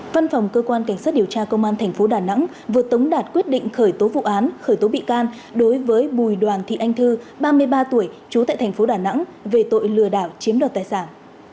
văn phòng cơ quan cảnh sát điều tra công an tp đà nẵng vừa tống đạt quyết định khởi tố vụ án khởi tố bị can đối với bùi đoàn thị anh thư ba mươi ba tuổi trú tại thành phố đà nẵng về tội lừa đảo chiếm đoạt tài sản